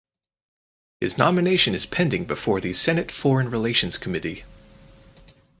His nomination is pending before the Senate Foreign Relations Committee.